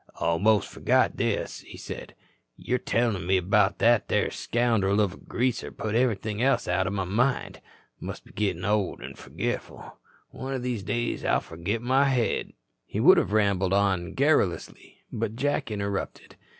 "Almost forgot this," he said. "Your tellin' me about that there scoundrel of a Greaser put everything else out o' my mind. Must be gittin old an' forgetful. One o' these days I'll forgit my head." He would have rambled on garrulously, but Jack interrupted.